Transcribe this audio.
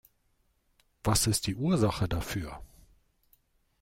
Was ist die Ursache dafür?